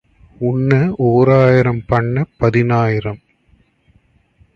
உன்ன ஓராயிரம் பன்னப் பதினாயிரம்.